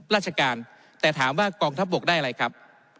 ราชการแต่ถามว่ากองทัพบกได้อะไรครับ